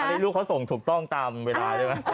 อันนี้ลูกเขาส่งถูกต้องตามเวลาใช่ไหม